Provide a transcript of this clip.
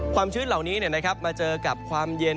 ความชื้นเหล่านี้นะครับมาเจอกับความเย็น